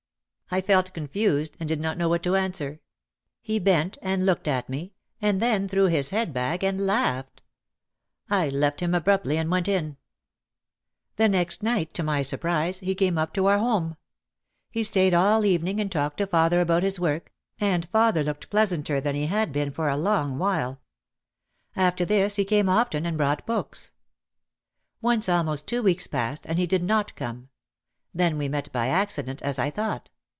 I felt confused and did not know what to answer. He bent and looked at me and then threw his head back and laughed. I left him abruptly and went in. The next night, to my surprise, he came up to our home! He stayed all evening and talked to father about his work OUT OF THE SHADOW 307 and father looked pleasanter than he had been for a long while. After this he came often and brought books. Once almost two weeks passed and he did not come. Then we met, by accident, as I thought.